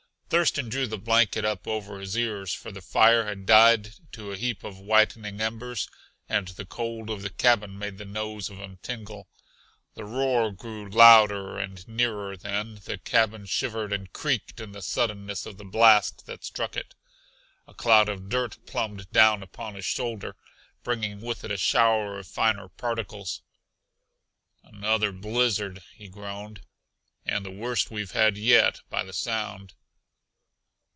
Thurston drew the blanket up over his ears, for the fire had died to a heap of whitening embers and the cold of the cabin made the nose of him tingle. The roar grew louder and nearer then the cabin shivered and creaked in the suddenness of the blast that struck it. A clod of dirt plumbed down upon his shoulder, bringing with it a shower of finer particles. "Another blizzard!" he groaned, "and the worst we've had yet, by the sound."